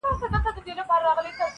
خلک د ازادۍ مجسمې په اړه خبري کوي ډېر,